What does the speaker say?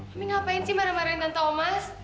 mami ngapain sih marah marahin tante omas